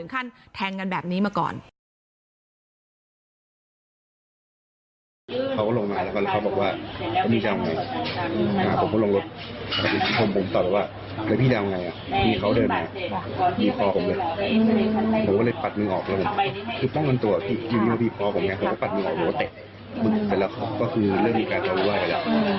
ผมเนี่ยก็ปัดมือหรือว่าเตะบึกไปแล้วก็คือเรื่องนี้กลายเป็นว่าอย่าง